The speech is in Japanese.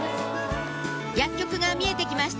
薬局が見えて来ました